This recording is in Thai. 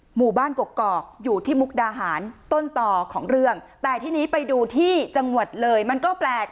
หมู่บ้านกกอกอยู่ที่มุกดาหารต้นต่อของเรื่องแต่ทีนี้ไปดูที่จังหวัดเลยมันก็แปลก